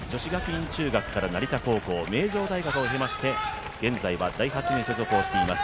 成田高校、名城大学をへまして現在はダイハツに所属しています。